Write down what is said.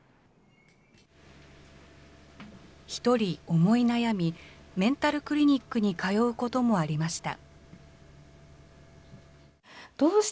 一人思い悩み、メンタルクリニックに通うこともありました。